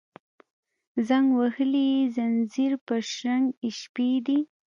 زنګ وهلي یې ځینځیر پر شرنګ یې شپې دي